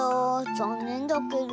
ざんねんだけど。